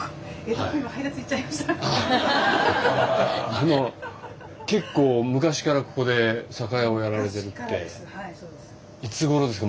あの結構昔からここで酒屋をやられてるって。いつごろですか？